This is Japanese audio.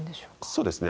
そうですね。